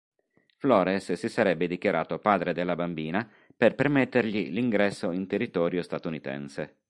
Flores si sarebbe dichiarato padre della bambina per permettergli l'ingresso in territorio statunitense.